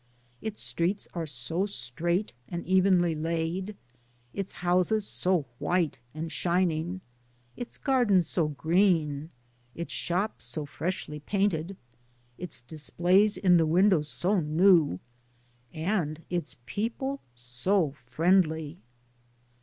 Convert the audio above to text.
Its streets are so straight and evenly laid, its houses so white and shining, its gardens so green, its shops so freshly painted, its displays in the windows so new, and its people 80 friendly.